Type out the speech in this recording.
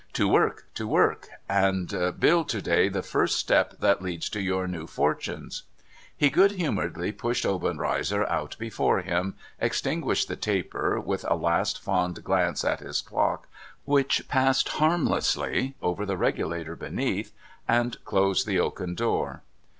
To work ! to work ! and build to day the first step that leads to your new fortunes !' He good humourcdly pushed Obenreizer out before him ; ex linguished the taper, with a last fond glance at his clock which A LONELY WATCH 563 passed harmlessly over the regulator beneath ; and closed the oaken door.